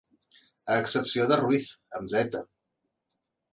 A excepció de Ruiz, amb zeta.